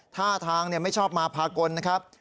ท่าทางไม่ชอบมาพากลนะครับ